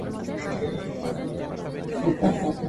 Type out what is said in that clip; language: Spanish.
Del lado de Avellaneda, se encuentra la fábrica de la empresa Siam.